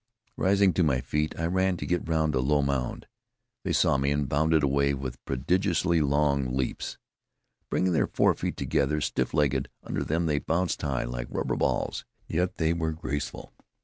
Rising to my feet, I ran to get round a low mound. They saw me and bounded away with prodigiously long leaps. Bringing their forefeet together, stiff legged under them, they bounced high, like rubber balls, yet they were graceful.